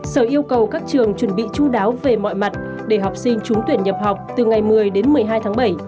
sở yêu cầu các trường chuẩn bị chú đáo về mọi mặt để học sinh trúng tuyển nhập học từ ngày một mươi đến một mươi hai tháng bảy